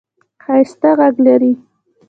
ښایسته ږغ لرې !